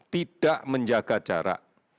tidak menjaga jarak